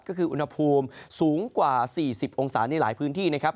ก็คืออุณหภูมิสูงกว่า๔๐องศาในหลายพื้นที่นะครับ